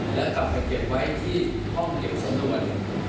แล้วกลับไปเก็บไว้ที่ห้องเก็บสำนวน